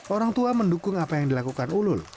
orang tua mendukung apa yang dilakukan ulul